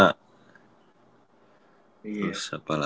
terus apa lagi ya